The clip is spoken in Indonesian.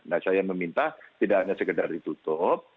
nah saya meminta tidak hanya sekedar ditutup